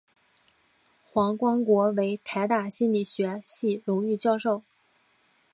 黄光国为台大心理学系荣誉教授。